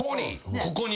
ここに？